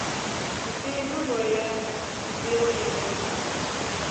زه یې هم وړیا بیولې وم.